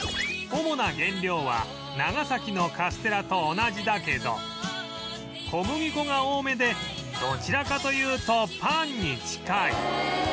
主な原料は長崎のカステラと同じだけど小麦粉が多めでどちらかというとパンに近い